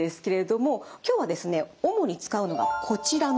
今日はですね主に使うのがこちらの値になります。